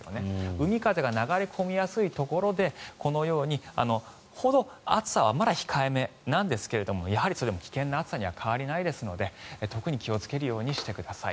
海風が流れ込みやすいところほどこのように暑さはまだ控えめなんですがやはり、それでも危険な暑さには変わらないですので特に気をつけるようにしてください。